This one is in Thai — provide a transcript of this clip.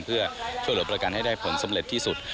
เพื่อช่วยเหลือประกันให้ได้ผลสำเร็จที่สุด